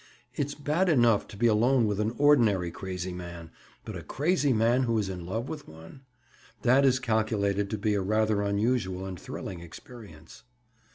It's bad enough to be alone with an ordinary crazy man, but a crazy man who is in love with one? That is calculated to be a rather unusual and thrilling experience.